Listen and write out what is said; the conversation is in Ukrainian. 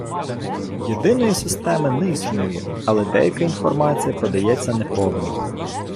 Єдиної системи не існує «Але деяка інформація подається неповно.